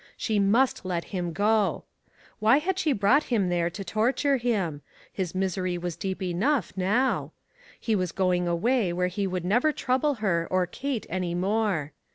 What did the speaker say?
She must let him go. Why had she brought him there to torture him ? His misery was deep enough now. He was going away where he would never trouble her or Kate any more.